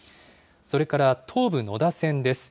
それから、東武野田線です。